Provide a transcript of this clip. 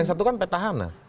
yang satu kan petahana